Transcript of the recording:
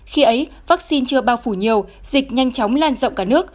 khi ấy vaccine chưa bao phủ nhiều dịch nhanh chóng lan rộng cả nước